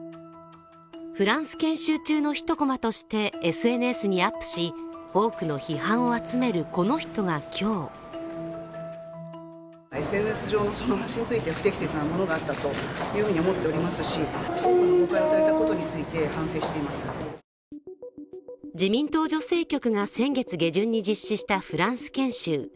フランス研修中の１コマとしてＳＮＳにアップし、多くの批判を集める、この人が今日自民党女性局が先月下旬に実施したフランス研修。